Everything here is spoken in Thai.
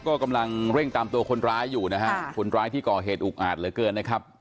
ก็กำลังเร่งตามตัวคนร้ายอยู่นะฮะคนร้ายที่ก่อเหตุอุกอาจเหลือเกินนะครับ